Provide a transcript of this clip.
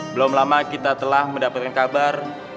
belum lama kita telah mendapatkan kabar